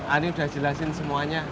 ani udah jelasin semuanya